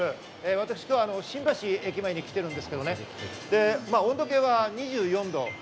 私、今日は新橋駅前に来ているんですけどね、温度計は２４度。